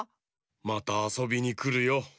またあそびにくるよ。